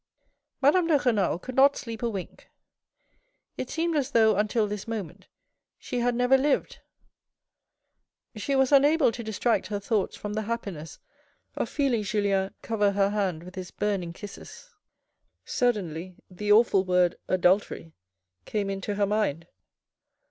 Madame de Renal could not sleep a wink. It seemed as though, until this moment, she had never lived. She was unable to distract her thoughts from the happiness of feeling Julian cover her hand with his burning kisses. Suddenly the awful word adultery came into her mind.